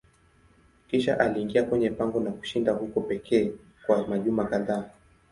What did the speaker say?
Kisha aliingia kwenye pango na kushinda huko pekee kwa majuma kadhaa.